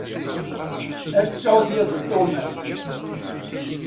Ar tesεu tyaziḍt tuɣmas!